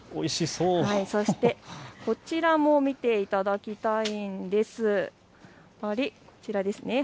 そして、こちらも見ていただきたいんです。